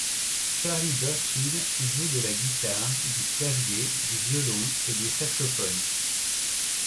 Charlie Burchill joue de la guitare, du clavier, du violon et du saxophone.